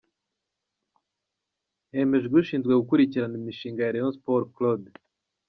Hemejwe ushinzwe gukurikirana imishinga ya Rayon sport Claude.